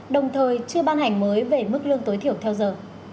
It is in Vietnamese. đồng thời chưa ban hành mới về mức lương tối thiểu theo giờ